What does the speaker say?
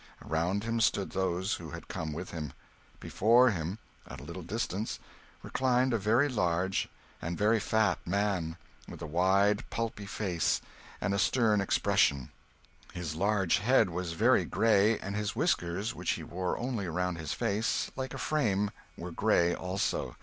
Around him stood those who had come with him. Before him, at a little distance, reclined a very large and very fat man, with a wide, pulpy face, and a stern expression. His large head was very grey; and his whiskers, which he wore only around his face, like a frame, were grey also.